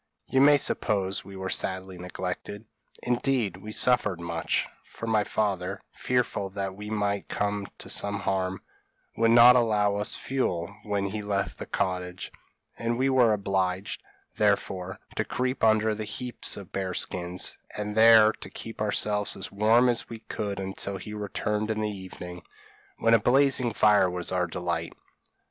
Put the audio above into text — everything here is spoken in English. You may suppose we were sadly neglected; indeed, we suffered much, for my father, fearful that we might come to some harm, would not allow us fuel, when he left the cottage; and we were obliged, therefore, to creep under the heaps of bears' skins, and there to keep ourselves as warm as we could until he returned in the evening, when a blazing fire was our delight.